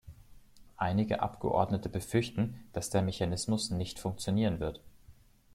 Einige Abgeordnete befürchten, dass der Mechanismus nicht funktionieren wird.